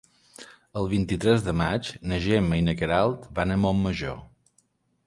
El vint-i-tres de maig na Gemma i na Queralt van a Montmajor.